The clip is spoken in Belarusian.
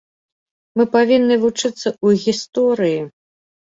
Мы павінны вучыцца ў гісторыі.